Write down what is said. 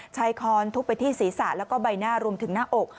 คอนทุบไปที่ศีรษะแล้วก็ใบหน้ารวมถึงหน้าอก